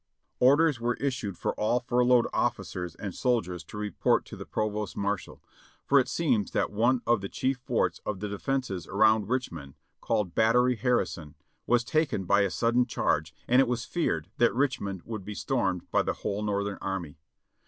'' Orders were issued for all furloughed officers and soldiers to report to the provost marshal ; for it seems that one of the chief forts of the defenses around Richmond, called Battery Harrison, was taken by a sudden charge, and it was feared that Richmond would be stormed by the whole Northern army.